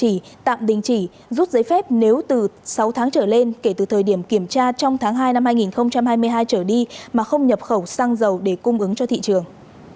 lãnh đạo bộ công thương vừa ký quyết định chỉ tạm định chỉ rút giấy phép nếu từ sáu tháng trở lên kể từ thời điểm kiểm tra trong tháng hai năm hai nghìn hai mươi hai trở đi mà không nhập khẩu xăng dầu để cung ứng cho thị trường